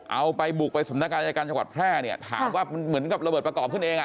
เอาไปบุกไปสำนักงานอายการจังหวัดแพร่เนี่ยถามว่ามันเหมือนกับระเบิดประกอบขึ้นเองอ่ะ